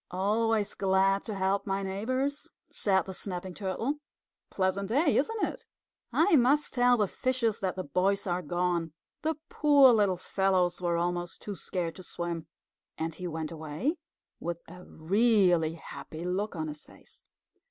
"Always glad to help my neighbors," said the Snapping Turtle. "Pleasant day, isn't it? I must tell the fishes that the boys are gone. The poor little fellows were almost too scared to swim." And he went away with a really happy look on his face.